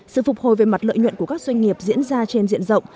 sự phục hồi về mặt lợi nhuận của các doanh nghiệp diễn ra trên diện rộng